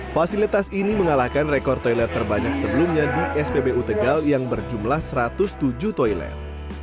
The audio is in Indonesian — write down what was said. fasilitas ini mengalahkan rekor toilet terbanyak sebelumnya di spbu tegal yang berjumlah satu ratus tujuh toilet